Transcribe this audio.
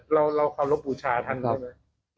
เราความรบบุรุษชาทันใช่ไหม